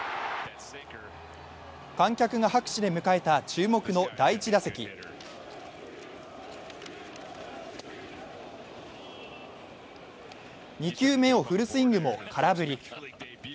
観客が拍手で迎えた注目の第１打席２球目をフルスイングも空振り。